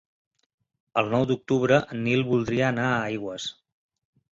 El nou d'octubre en Nil voldria anar a Aigües.